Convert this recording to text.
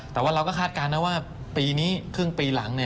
แต่ว่าเราก็คาดการณ์นะว่าปีนี้ครึ่งปีหลัง